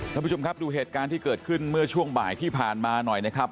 ท่านผู้ชมครับดูเหตุการณ์ที่เกิดขึ้นเมื่อช่วงบ่ายที่ผ่านมาหน่อยนะครับ